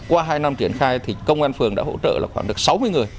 qua hai năm triển khai thì công an phường đã hỗ trợ là khoảng được sáu mươi người